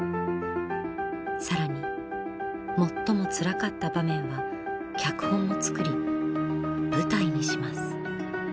更に最もつらかった場面は脚本も作り舞台にします。